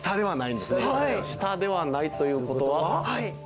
下ではないという事は。